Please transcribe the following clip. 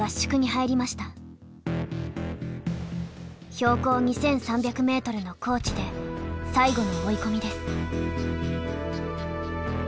標高２，３００ｍの高地で最後の追い込みです。